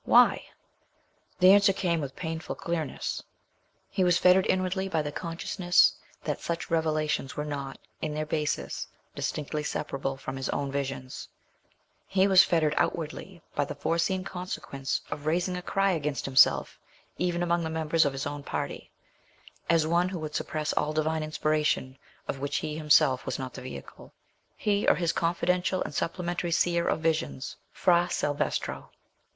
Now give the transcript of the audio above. Why? The answer came with painful clearness: he was fettered inwardly by the consciousness that such revelations were not, in their basis, distinctly separable from his own visions; he was fettered outwardly by the foreseen consequence of raising a cry against himself even among members of his own party, as one who would suppress all Divine inspiration of which he himself was not the vehicle—he or his confidential and supplementary seer of visions, Fra Salvestro.